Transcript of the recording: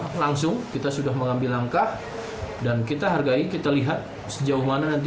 adalah hal yang sangat penting untuk memperbaiki keadaan pampung dan jawa barat